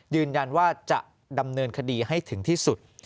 ยืนยันว่าจะดำเนินคดีให้ถึงที่สุด